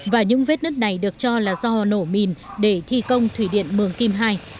và những vết nứt này được cho là do nổ mìn để thi công thủy điện mường kim ii